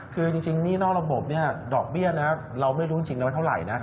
คือจริงหนี้นอกระบบดอกเบี้ยเราไม่รู้จริงแล้วเท่าไหร่